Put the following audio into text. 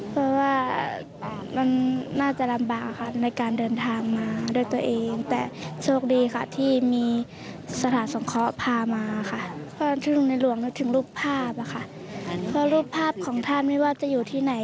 ภาพของท่านไม่ว่าจะอยู่ที่ไหน